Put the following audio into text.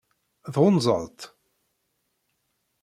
Tɣunzaḍ-tt?